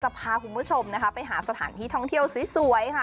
พาคุณผู้ชมนะคะไปหาสถานที่ท่องเที่ยวสวยค่ะ